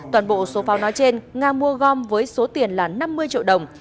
toàn bộ số pháo nói trên nga mua gom với số tiền là năm mươi triệu đồng